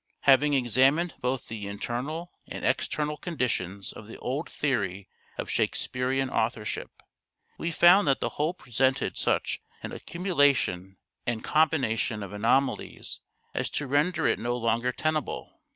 Having examined both the internal and external conditions of the old theory of Shakespearean authorship, we found that the whole presented such an accumulation and combination of anomalies as to render it no longer tenable.